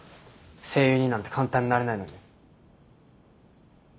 声優になんて簡単になれないのに。